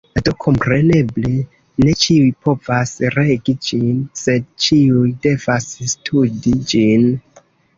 Do kompreneble, ne ĉiuj povas regi ĝin, sed ĉiuj devas studi ĝin.